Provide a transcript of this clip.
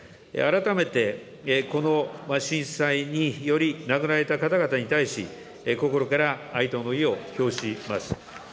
改めてこの震災により亡くなられた方々に対し、心から哀悼の意を表します。